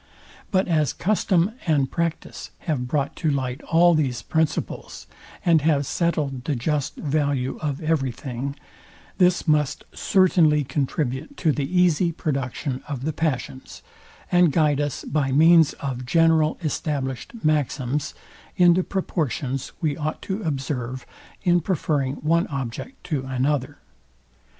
But as custom and practice have brought to light all these principles, and have settled the just value of every thing; this must certainly contribute to the easy production of the passions, and guide us, by means of general established maxims, in the proportions we ought to observe in preferring one object to another.